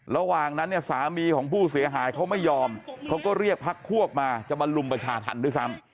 ระหว่างนั้นเนี่ยสามีของผู้เสียหายเขาไม่ยอมเขาก็เรียกพักพวกมาจะมาลุมประชาธรรมด้วยซ้ำ